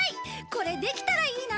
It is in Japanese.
これできたらいいな！